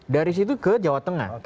dari situ ke jawa tengah